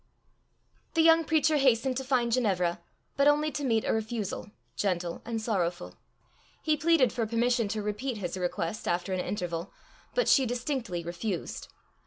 The young preacher hastened to find Ginevra, but only to meet a refusal, gentle and sorrowful. He pleaded for permission to repeat his request after an interval, but she distinctly refused.